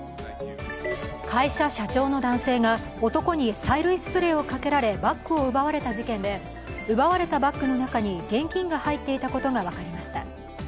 会社社長の男性が男に催涙スプレーをかけられバッグを奪われた事件で奪われたバッグの中に現金が入っていたことが分かりました。